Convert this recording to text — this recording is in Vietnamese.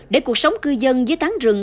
để cuộc sống cư dân dưới tán rừng